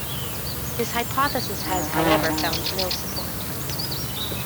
This hypothesis has, however, found no support.